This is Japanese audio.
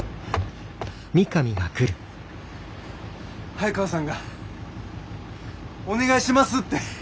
早川さんが「お願いします」って。